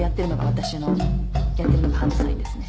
私のやってるのがハンドサインですね。